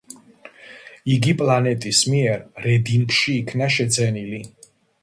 იგი პლანტის მიერ რედინგში იქნა შეძენილი.